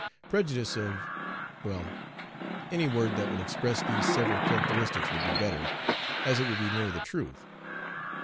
Prejudice of well, any word that will express these several characteristics would be better, as it would be nearer the truth.